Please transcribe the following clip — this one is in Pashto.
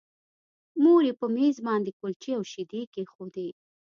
مور یې په مېز باندې کلچې او شیدې کېښودې